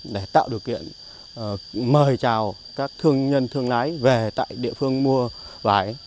để tạo điều kiện mời chào các thương nhân thương lái về tại địa phương mua vải